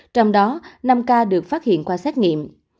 trong đó năm ca được phát hiện qua xét nghiệm